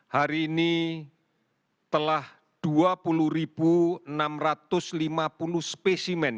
hari ini telah dua puluh enam ratus lima puluh spesimen yang kita pencari